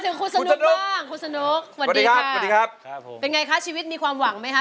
เป็นอย่างไงคะชีวิตมีความหวังไหมครับ